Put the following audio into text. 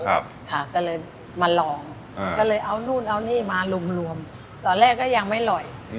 ครับค่ะก็เลยมาลองอืมก็เลยเอานู้นเอานี่มารวมรวมตอนแรกก็ยังไม่หล่อยอืม